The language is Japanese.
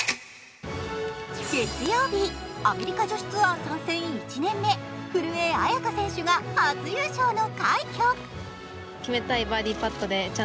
月曜日、アメリカ女子ツアー参戦１年目、古江彩佳選手が初優勝の快挙。